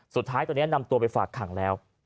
สุดท้ายตอนนี้นำตัวไปฝากขังแล้ว